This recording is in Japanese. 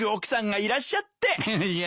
いや。